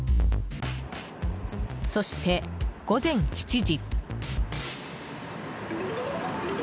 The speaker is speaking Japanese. そして午前７時。